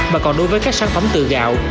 mà còn đối với các sản phẩm từ gạo